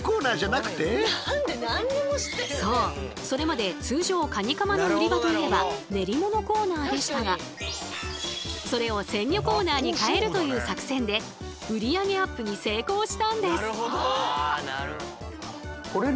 それまで通常カニカマの売り場といえば練り物コーナーでしたがそれを鮮魚コーナーに変えるという作戦で売り上げアップに成功したんです。